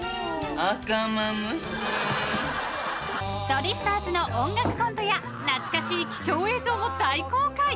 ドリフターズの音楽コントや懐かしい貴重映像も大公開。